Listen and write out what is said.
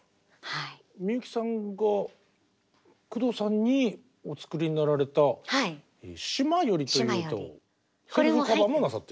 みゆきさんが工藤さんにお作りになられた「島より」という歌セルフカバーもなさってる。